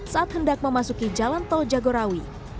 saat hendak memasuki jalan tol jagorawi